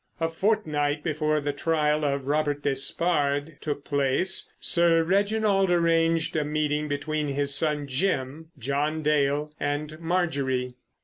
A fortnight before the trial of Robert Despard took place, Sir Reginald arranged a meeting between his son Jim, John Dale, and Marjorie.